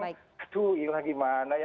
aduh ilah gimana ya